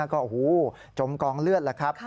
ก็จมกองเลือดละครับ